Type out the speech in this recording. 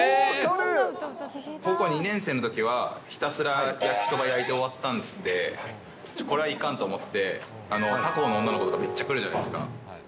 高校２年生のときはひたすら焼きそば焼いて終わったんで、これはいかんと思って、他校の女の子とかめっちゃ来るじゃないですか。